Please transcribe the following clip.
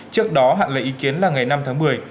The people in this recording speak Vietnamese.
trước đó hạn lấy ý kiến là ngày năm tháng một mươi